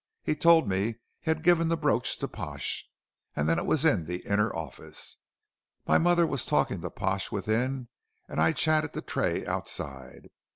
He told me he had given the brooch to Pash, and that it was in the inner office. My mother was talking to Pash within and I chatted to Tray outside.